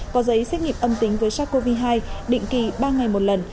có giấy xét nghiệm âm tính với sars cov hai định kỳ ba ngày một lần